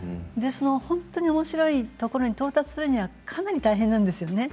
本当におもしろいところに到達するにはかなり大変なんですよね